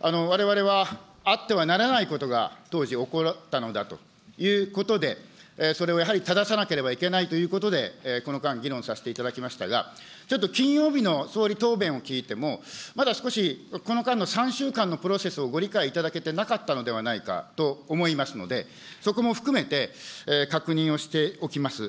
われわれはあってはならないことが当時起こったのだということで、それをやはりたださなければいけないということで、この間、議論させていただきましたが、ちょっと金曜日の総理答弁を聞いても、まだ少しこの間の３週間のプロセスをご理解いただけてなかったのではないかと思いますので、そこも含めて、確認をしておきます。